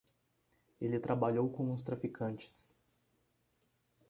Ele trabalhou com uns traficantes.